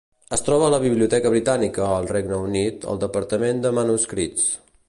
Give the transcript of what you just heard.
Es troba a la Biblioteca Britànica, al Regne Unit, al Departament de Manuscrits.